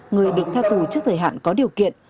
người được tha tù trước thời hạn có điều kiện